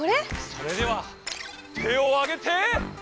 それでは手をあげて！